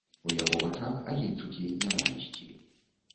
У яго вачах агеньчыкі нянавісці.